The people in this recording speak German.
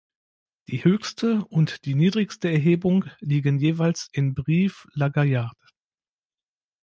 Die höchste und die niedrigste Erhebung liegen jeweils in Brive-la-Gaillarde.